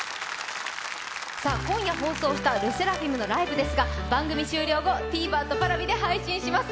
今夜放送したＬＥＳＳＥＲＡＦＩＭのライブですが番組終了後ＴＶｅｒとＰａｒａｖｉで配信します。